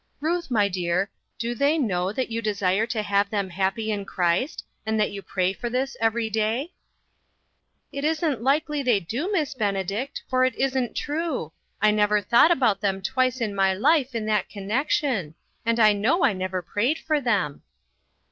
Ruth, my dear, do they know that you desire to have them happy in Christ, and that you pray for this every day ?"" It isn't likely they do, Miss Benedict, for it isn't true. I never thought about them twice in my life in that connection, and I know I never prayed for them."